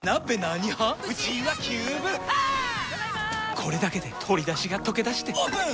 これだけで鶏だしがとけだしてオープン！